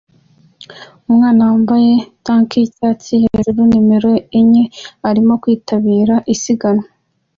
Umwana wambaye tank yicyatsi hejuru numero enye arimo kwitabira isiganwa